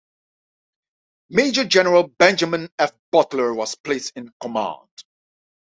Major General Benjamin F. Butler was placed in command.